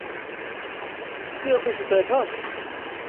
তুইও খুশি তো এখন।